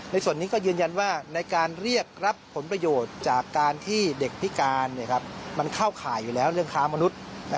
ส่วนนี้ก็ยืนยันว่าในการเรียกรับผลประโยชน์จากการที่เด็กพิการมันเข้าข่ายอยู่แล้วเรื่องค้ามนุษย์